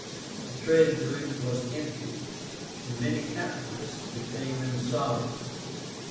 The treasury was empty, and many capitalists became insolvent.